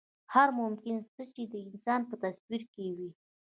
هر ممکن څه چې د انسان په تصور کې وي.